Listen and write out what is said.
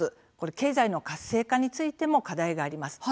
経済の活性化についても課題があります。